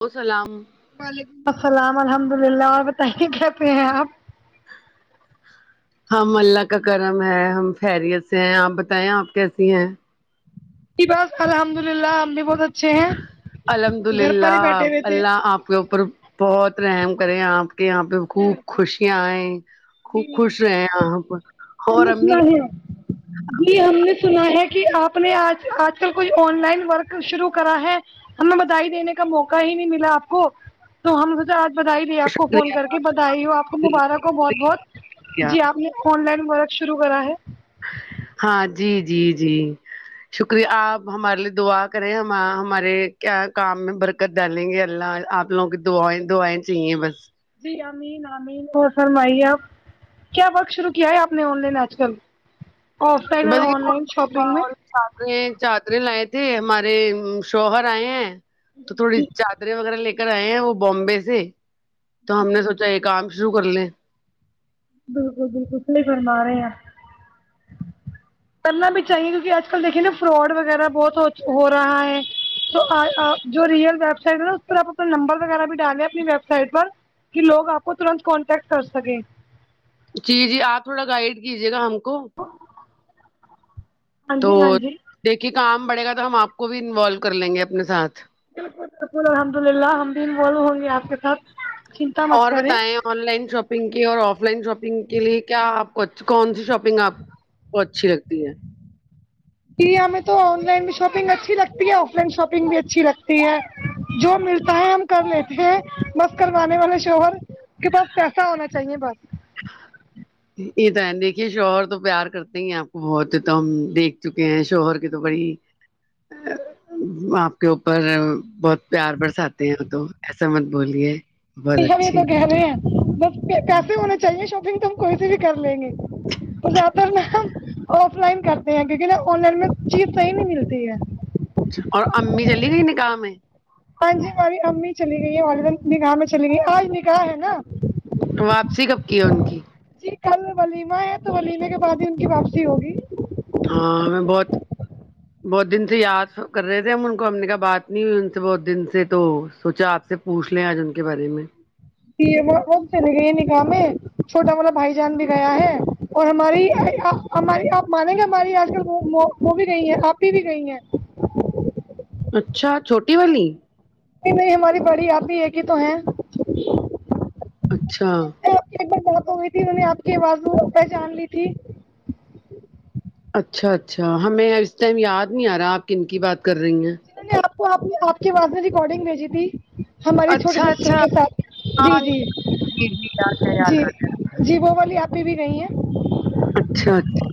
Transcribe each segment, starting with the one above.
وہ سلام وعلیکم السلام الحمد اللہ اور بتائیے کیسے ہیں آپ ہم اللہ کا کرم ہے ہم خیریت سے ہیں آپ بتائیں آپ کیسی ہیں بس الحمد للہ ہم بھی بہت اچھے ہیں الحمد گھر پر ہی للہ بیٹھے ہوئے تھے اللہ آپ کے اوپر بہت رحم کرے آپ کہ یہاں پہ خوب ہم خوشیاں آییں خوب خوش رہے یہاں پ ہم نے سنا دیا ہم نے سنا ہے کہ آپ نے آج آج کل کوئی آن لائن ورک شروع کرا ہے ہمیں بدائی دینے کا موقع ہی نہیں ملا آپ کو تو ہم نے سوچا آج بدائی دی آپ کو فون کا کر کے بدائی ہو آپ کو مبارک ہو بہت بہت جی آپ نے آن لائن ورک شرو کرا ہے ہاں جی جی جی شکریہ آپ ہمارے لیے دعا کریں ہم ہمارے کیا کام میں برک کت ڈالیں گے اللہ آپ لوگوں کی دعائیں دعائیں چاہیے بس جی امین امین اور فرمائیے آپ کیا ورک شروع کیا ہے آپ نے آن لائن آج کل آف لائن اور آن لائن شاپنگ میں چادرے چادریں لائے تھے ہمارے شوہر آئے ہیں تو تھوڑی چاد رے وغیرہ لے کر آئے ہیں وہ بامبے سے تو ہم نے سوچا یہ کام شروع کر لیں بالکل بالکل صحیح فرما رہے اپ کرنا بھی چاہیے کیونکہ آج کل دیکھیے نا فراڈ وغیرہ بہت ہو ہو رہا ہے جو اج اپ جو ریئل ویب سائٹ ہے نا اس پرپ اپنا نمبر وغیرہ بھی دالے اپنی ویب سائٹ پر کہ لوگ آپ کو ترنت کانٹیکٹ کر سکیں جی جی آپ تھوڑا گائڈ کیجیے گا ہم کو ہاں تو جی ہاں جی دیکھیے کام بڑے گا تو ہم آپ کو بھی انولو کر لیں گے اپنے ساتھ بالکل شکر الحمد للہ ہم بھی انولو ہوں گے آپ کے ساتھ چنتا مت اور کریں بتائیں آن لائن شاپنگ کی اور آف لائن شاپنگ کے لیے کیا آپ کو کون سی شاپ پنگ آپ کو اچھی لگتی ہے ج ہمیں تو آن لائن بھی شاپنگ اچھی لگتی ہے آف لائن شاپنگ بھی اچھی لگتی ہے جو ملتا ہے ہم کر لیتے ہیں بس کروانے والے شوہر کے پاس پیسہ ہونا چاہیے بس یہ تو ہے دیکھیے شوہر تو پیار کرتے ہی آپ کو بہت تو ہم دیکھ چکے ہیں شوہر کی تو بڑی آپ کے اوپر بہت پیار برساتے ہیں تو ایسا مت بولیے بہت ہم یہ اچھی تو کہہ رہے ہیں بس پیسے ہونا چاہیے شاپنگ تو ہم کہیں سے بھی کر لیں گے تو زیادہ تر نا ہم آف لائن کرتے ہیں کیونکہ نہ آن لائن میں چیز صحیح نہیں ملتی ہے اور امی چلی گئی نکاہ میں ہاں جی ہماری امی چلی گئی ہے [unintelligible] نکاح میں چلی گئی آج نکاح ہے نا تو واپسی کب کی ہے ان کی جی کل ولیمہ ہے تو ولیمہ کے بعد ہی ان کی واپسی ہوگی ہاں ہمیں بہت بہت دن سے یاد کر رہے تھے ہم ان کو امی کا بات نہیں ہوئی ان سے بہت دن سے تو سوچا آپ سے پوچھ لیں آج ان کے بارے میں جی وہ چلی گئیہے نکاح میں چھوٹا والا بھائی جان بھی گیا ہے اور ہماری ہم آپ مانیں گے ہماری یہاں وہ بھی گئی ہے آپی بھی گئی ہیں اچھا چھوٹی والی نہیں نہیں ہماری بڑی آپی ایک ہی تو ہیں اچھا آپ کی ایک بار بات ہوئی تھی انو نے آپ کی آواز پہچان لی تھی اچھا اچھا ہمیں اس ٹائم یاد نہیں آ رہا آپ کن کی بات کر رہی ہیں انونے نے آپ کو آپ آپ کے آواز میں ریکورڈنگ بھیجی تھی ہمارے چھوٹے اچھا سسٹر اچھا کے ساتھ جی ہاں جی جی جی، یاد ہے جی یاد جی وہ والی آپی بھی نہیں ہے اچھا اچھا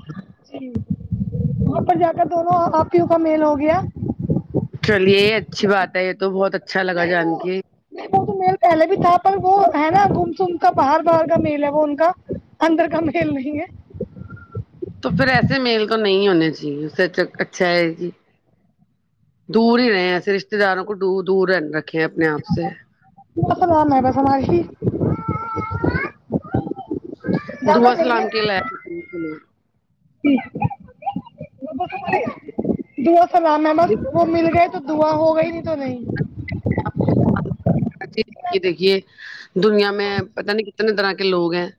جی وہاں پر جا کر دونوں اپیوں کا میل ہو گیا چلیے اچھی بات ہے یہ تو بہت اچھا لگا نہیں وہ جانکے نہیں وہ تو میل پہلے بھی تھا پر وہ ہے نا گم سم کا باہر باہر کا میل ہے وہ انکا انندر کا میل نہیں ہے تو پھر ایسے میل تو نہیں ہونے چاہیے اس سے اچ اچھا ہے کی دور ہی رہے ایسے رشتے داروں کو دو دور رکھیں اپنے آپ سے کیا سنا میں ہے دعا زیادہ نہیں سلام کےلئے جی دعا سلام میں مست وہ مل گئے تو دعا ہو گئی نہیں تو نہیں [inaudible] دیکھیے دنیا میں پتہ نہیں کتنے طرح کے لوگ ہیں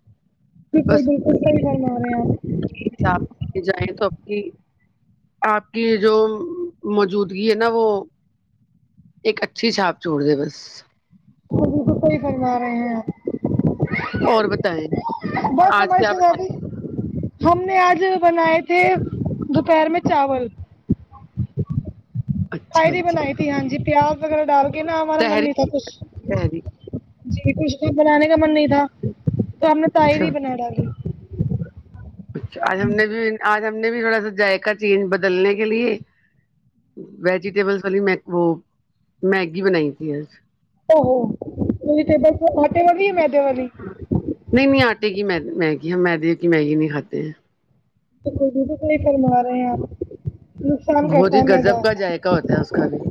جی صحیح بالکل صحیح فرمارے ہیں آپ ج آپ جائیں تو آپ کی [unintelligible] آپ کی جو موجودگی ہے نا وہ ایک اچھی چھاپ چھوڑ دے بس بالکل صحیح فرما رہے ہیں آپ اور بتائیں بہت آج کیا بنا [inaudible] ہم نے آج بنائے تھے دوپہر میں چاول اچھا کائیری اچھا بنائی تھی ہاں جی پیاز وغیرہ ڈال کے نہ ہمارا من تحری نہیں تھا کچھ تحری جی کچھ تو بنانے کا من نہیں تھا تو ہم نے اچھا طاہری بنا ڈالے اچھا آج ہم نے بھی آج ہم نے بھی تھوڑا سا ذائقہ چینج بدلنے کے لیے ویجیٹیبلس والی وہ میگی بنائی تھی اوہو وجیٹیبلس آٹے والی یا میدے والی نہیں نہیں آٹے کیی میگی ہم میدی کی میگی نہیں کاتے ہیں [inaudible] فرما رہے ہیں آپ نقصان بہت کرتا ہی ہے میدا گذب کا ذائقہ ہوتا ہے اس کا بھی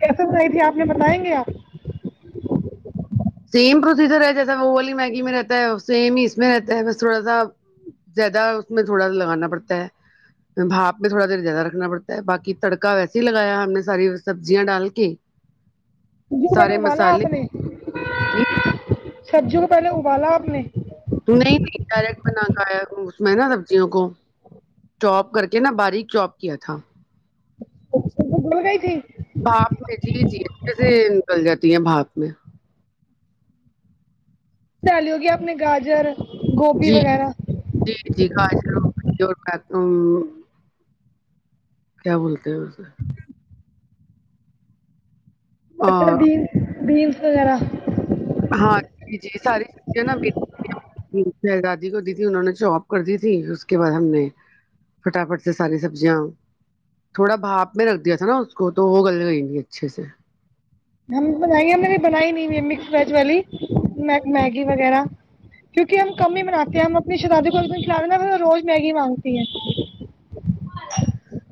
کیسے بنائی تھی آپ نے بتائینگے آپ سیم پروسیجر ہے جیسا وہ والی میگی میں رہتا ہے سیم ہی اس میں رہتا ہے بس تھوڑا سا زیادہ اس میں تھوڑا لگانا پڑتا ہے بھانپ میں تھوڑا دیر زیادہ رکھنا پڑتا ہے باقی تڑکا ویسے ہی لگایا ہم نے ساری سبزیاں ڈال کے [unintelligible] بال آپ نے جی سبزیوں کو پہلے ابالا آپ نے نہیں نہیں کیرٹ بنا کے آیا ہ اس میں نا سبزیوں کو چوپ کر کے نا باریک چاپ کیا تھا بول گئی تھی [unintelligible] بھاپ میں جی جی سے نکل جاتی ہیں بھاپ میں ڈالی ہوگی اپنے گاجر گوبھی جی وغیرہ جی جی [unintelligible] کیا بولتے ہیں اسے بٹر بینس بیینس وغیرہ ہاں جی جی ساری سبزبی شہزادی کو دی تھی انہوں نے جاب کر دی تھی اس کے بعد ہم نے فٹافٹ سے ساری سبزیاں تھوڑا بھاپ میں رکھ دیا تھا نا اس کو تو وہ گل گیں گی اچھے سے ہم بنائیںے میں نے بنائی نہیں مکس ویج والی میگی وغیرہ کیونکہ ہم کم ہی بناتے ہیں ہم اپنی شہاذادے کو کھلا دے روز میگی مانگتی ہیں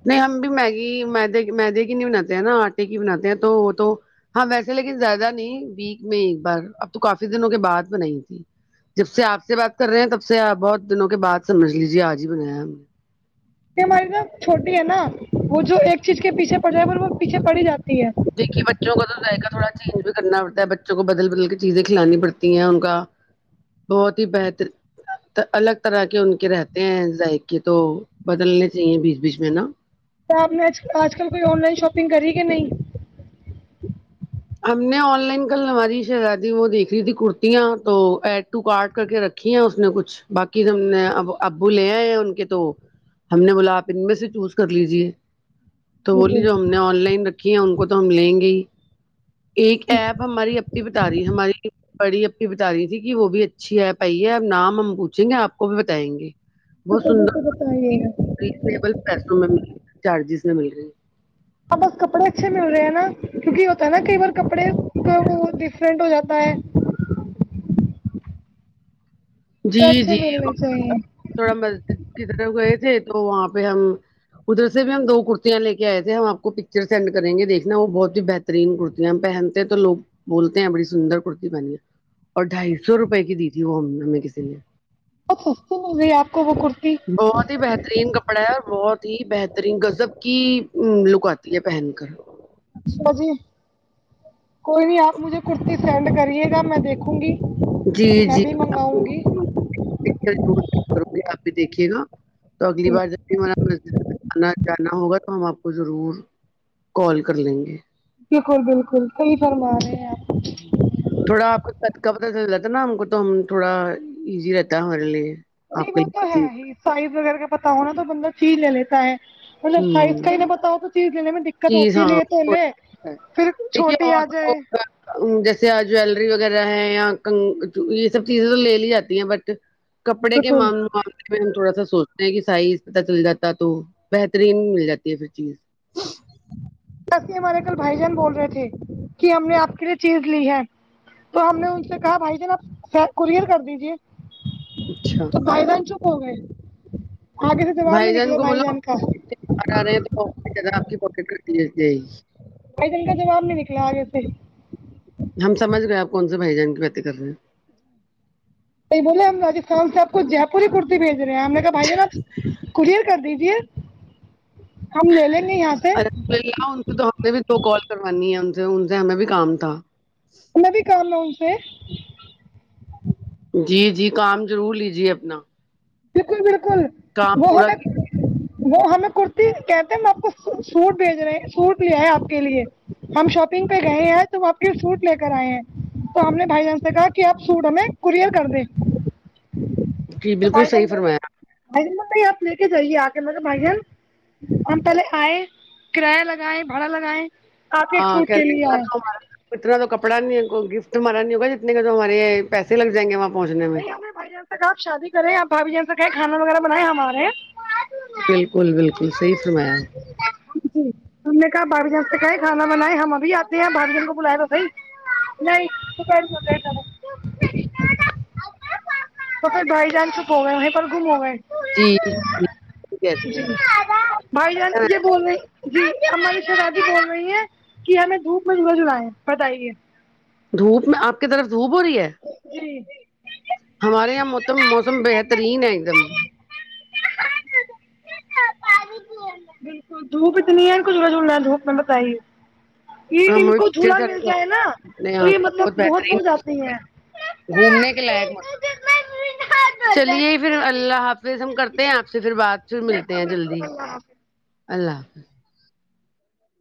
نہیں ہم بھی میگی میدے مدے کی نہیں بناتے ہیں نا آٹے کی بناتے ہیں تو وہ تو ہاں ویسے لیکن زیادہ نہیں ویک میں ایک بار اب تو کافی دنوں کے بعد نہیں تھی جب سے آپ سے بات کر رہے ہیں تب سے بہت دنوں کے بد سمجھ لیجے آج ہی بنایا ہم نے ہماری چھوٹی ہے نا وہ جو ایک چیز کے پیچھے پڑ جائے گا وہ پیچھے پڑ ہی جاتی ہے دیکھیے بچوں کا تو ائقہ تھوڑا چینج بھی کرنا پڑتا ہے بچوں کو بدل بدل کی چیزیں کھلانی پڑتی ہیں ان کا بہت ہی بہتر تو الگ طرح کے ان کے رہتے ہیں ذائقے کے تو بدلنے چاہیے بیچ بیچ میں نا کیا آپ نے آج کل کوئی آن لائن شاپنگ کری کہ نہیں ہم نے آن لائن کل ہماری شہزادی وہ دیکھ رہی تھی کرتیاں تو ایڈ ٹو کارڈ کر کے رکھ رکھ ہیں اس نے کچھ باقی تو ہم نے ابو لے آ ہے ان کے تو ہم نے بولا آپ ان میں سے چوز کر لیجیے تو بولی جو ہم نے آن لائن رکھی ہیں ان کو تو ہم لیں گے ہی ایک ایپ ہماری اپپی بتا رہی ہماری بڑی اپپی بتا رہی تھی کہ وہ بھی اچھی ہے پائی ہے ا نام ہم پوچھیں گے آپ کو بھی بتائیں گے بہت بالکل بالکل بتائیے گا سندر ریزبل پیسوں میں چارجز میں مل رہی اب بس کپڑے اچھے مل رہے ہیں نا کیونکہ یہ ہوتا ہے نا کئی بار کپڑے ڈفرینٹ ہو جاتا ہے جی اچھے جی ملنے چاہیے تھوڑا مسجد کی طرف گئے تھے تو وہاں پہ ہم ادھر سے بھی ہم دو کرتیا لے کے آئے تھے ہم آپ کو پکچر سینڈ کریں گے دیکھنا وہ بہت ہی بہتر ترین کررتیاں پہنتے ہیں تووگ بولتے ہیں بڑی سندر کرتی پہن ہے اور ڈھائی سو روپئے کی دی تھی وہ ہمیں کسی نے بہت سستی مل رہی آپ کو وہ کرتی بہت ہی بہترین کپڑا ہے اور بہت ہی بہترین گزب کی لک آتی ہے پہن کر اچھا جی کوئی نہیں آپ مجھے کرتی سینڈ کریے گا میں دیکھوں گی میں بھی منگاؤں گی کرو گے آپ بھی دیکھیے گا تو اگلی بار جب بھی ہمارا مسجد میں جنا جانا ہوگا تو ہم آپ کو ضرور کال کر لیں گے بالکل بالکل صحیح فرما رہے ہیں ہوں تھوڑا آپ کو کا پتا چل جاتا نا ہم کو تو ہم تھوڑا ایزی رہتا ہے ہمارے لیے آپ کے وہ لیے تو ہے چیز ہی سائز وغیرہ کا پتا ہونا تو بندہ چیز لے لیتا ہے مطلب سائز ہوں کا ہی نہ بتاؤ تو چیز لینے میں دقت چیز ہوتی نہیں ہاں ہے تھوڑا تویں ہے۔ پھر دیکھیے چھوٹی اور آ تو جائے جیسے آ جیلری وغیرہ ہے یا ک یہ سب چیزیں تو لے لی جاتی ہیں بٹ کپڑے کے بالکل معاملے میں ہم تھوڑا سا سوچتے ہیں کہ سائز پتا چل جاتا ہے تو بہترین مل جاتی ہے پھر چیز س یہ ہمارے کل بھائی جان بول رہے تھے کہ ہم نے آپ کے لیے چیز لی ہے تو ہم نے ان سے کہا بھائی جان آپ کورئر کر دیجے اچھا تو بھائی جان چپ ہوگے بھائی جان کو بولا باہ آ رہے ہیں تو زدہ آپ کی پاکٹ کرتی بھائی جان کا جواب نہیں نکلا آ گے پھر ہم سمج گئے آپ کون سے بھائی جان کی بات کر رہے ہیں بولے ہم رجستھان سے آپ کو جے پوری کرتی بھیج رہے ہیں ہم نے کہا بھائی جان کوریئر کر دیجیے ہم لے لیں گے یہاں سے ان سے تو ہم نے بھی دو کال کروانی ہے ان سے ان سے ہمیں بھی کام تھا ہم بھی کام ہے ان سے جی جی کام ضرور لیجیے اپنا بالکل بالکل کام وہ پورا کیجیے۔ ہمیں وہ ہمیں کرتی کہتے ہیں ہم آپ کو سوٹ بھیج رہے سوٹ لیا ہے آپ کے لیے ہم شاپنگ پہ گئے ہیں تو آپ کے فروٹ لے کر آئے ہیں تو ہم نے بھائی جان سے کہا کہ آپ سوٹ ہمیں کوریئر کر دیں جی تو بالکل بھائی جان صحیح بولے فرمایا بھائی جان میں بھائی آپ لے کے جائیے آ کے ملب بھائی جان ہم پہلے آئے کرایہ لگائے بھاڑا لگائے آپ کے ہاں سوٹ کہہ کے رہے ہیں، لیے اتنا آئے تو ہمارا اتنا تو کپڑا نہیں ہو گفٹ ہمارا نہیں ہوگا جتنے کے تو ہمارے یہ پیسے لگ جائیں گے وہاں پہنچنے میں نہیں بھائی جان آپ شادی کرے آپ بھائی جان سےکھے کانا وغیرہ بنائے ہمارے بالکل بالکل صحیح فرمایا جی تم نے کہا بھائی جان سے کہ ہے کھانا بنائے ہم ابھی آتے ہیں بھائی جان کو بلایا تو تھا نہیں تو [unintelligible] تو پھر بھائی جان چکو گئے وہیں پر گھوم ہو گئے جی جی صحیح کہہ رہی جی ہیں بھائی جان یہ بول رہی جی ہم شاجی بول رہی ہیں کہ ہمیں دھوپ میں جھلا جلا ہے بتائیے دھوپ میں آپ کی طرف دھوپ ہو رہی ہے ہمارے یہاں موم موسم بہترین ہے ایک دم ناقابل سماعت بالکل دھوپ اتنی ہے کچھا میں دھوپ میں بتائی یہ ہم ان ابھی کو پکچر جھولا سینڈ مل کر رہے جائے نا ہیں اپنے تو یہاں یہ کی مطلب بہت بہترین ہو جاتی ہیں گھومنے کے لائق مس چلیے پھر اللہ حافظ ہم کرتے ہیں آپ سے پھر بعات پھر ملتے ہیں جلدی اللہ حافظ